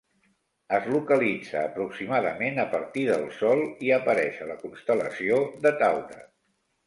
Es localitza aproximadament a partir del sol i apareix a la constel·lació de Taure.